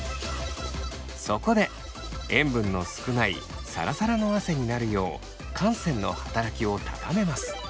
そこで塩分の少ないサラサラの汗になるよう汗腺の働きを高めます。